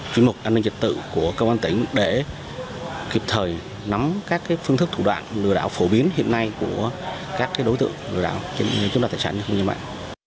chuyên mục an ninh dịch tự của công an tỉnh để kịp thời nắm các phương thức thủ đoạn lừa đảo phổ biến hiện nay của các đối tượng lừa đảo chiếm đặt tài sản như không như vậy